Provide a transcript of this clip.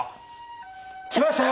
・来ましたよ！